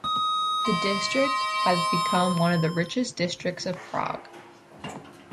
The district has become one of the richest districts of Prague.